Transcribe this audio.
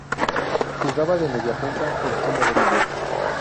Jugaba de mediapunta o extremo derecho.